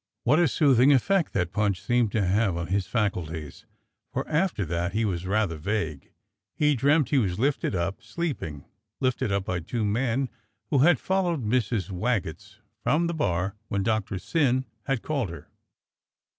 What a soothing efi'ect that punch seemed to have on his faculties, for after that he was rather vague. He dreamt he w^as lifted up sleeping, lifted up by two men who had followed Mrs. Waggetts from the bar when Doctor Syn had called her.